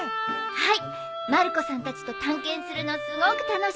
はい。